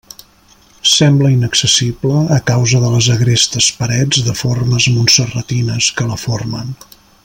Sembla inaccessible a causa de les agrestes parets de formes montserratines que la formen.